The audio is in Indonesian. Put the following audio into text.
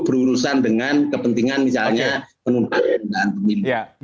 berurusan dengan kepentingan misalnya penundaan dan pemilihan